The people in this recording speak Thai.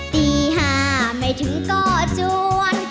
ตี๕ไม่ถึงก็จวน